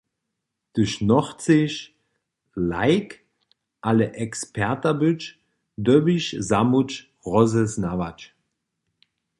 Hdyž nochceš lajk, ale eksperta być, dyrbiš zamóc rozeznawać.